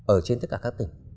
ở trên tất cả các tỉnh